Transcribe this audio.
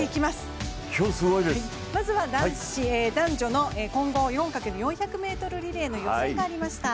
まずは男女の混合４×４００ｍリレーの予選がありました。